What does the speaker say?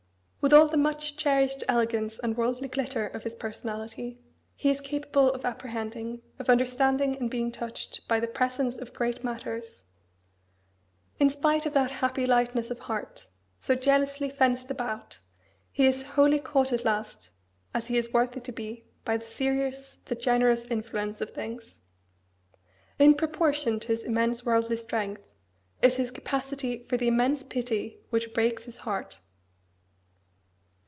With all the much cherished elegance and worldly glitter of his personality, he is capable of apprehending, of understanding and being touched by the presence of great matters. In spite of that happy lightness of heart, so jealously fenced about, he is to be wholly caught at last, as he is worthy to be, by the serious, the generous influence of things. In proportion to his immense worldly strength is his capacity for the immense pity which breaks his heart.